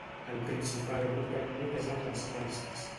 El principal grup ètnic és el dels perses.